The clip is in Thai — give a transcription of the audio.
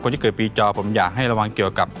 ที่เกิดปีจอผมอยากให้ระวังเกี่ยวกับ